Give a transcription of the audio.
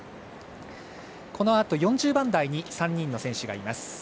このあと４０番台に３人の選手がいます。